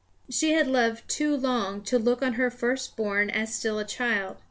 She had loved too long to look on her first born as still a child.